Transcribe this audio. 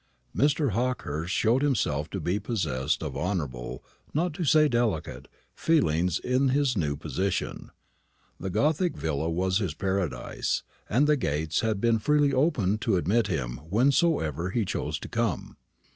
Mr. Hawkehurst showed himself to be possessed of honourable, not to say delicate, feelings in his new position. The gothic villa was his paradise, and the gates had been freely opened to admit him whensoever he chose to come.